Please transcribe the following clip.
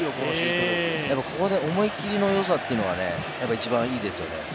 ここで思い切りのよさというのが一番いいですよね。